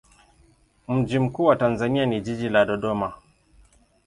Mji mkuu wa Tanzania ni jiji la Dodoma.